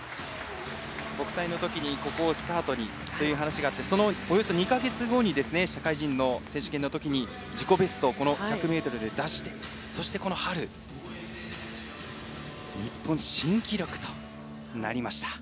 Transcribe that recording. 国体のときここをスタートにという話があったときにそのおよそ２か月後に社会人の選手権のときに自己ベスト、１００ｍで出してそして、この春日本新記録となりました。